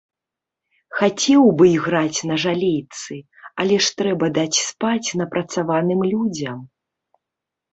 Хацеў бы іграць на жалейцы, але ж трэба даць спаць напрацаваным людзям.